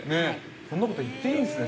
◆そんなこと言っていいんですね。